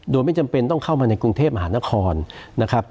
โดยไม่จำเป็นต้องเข้ามาในกรุงเทพมหานครนะครับ